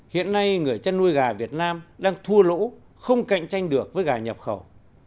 hiện nay người chăn nuôi gà việt nam đang thua lỗ không cạnh tranh được với gà nhập khẩu